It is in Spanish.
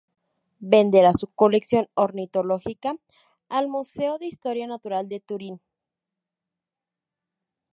Venderá su colección ornitológica al Museo de Historia natural de Turín.